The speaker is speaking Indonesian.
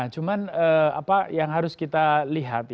cuman apa yang harus kita lihat